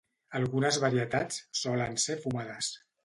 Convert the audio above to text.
Algunes varietats solen ser fumades.